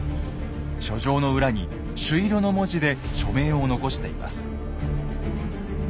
書状の裏に朱色の文字で署名を残しています。